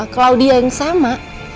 claudia yang sama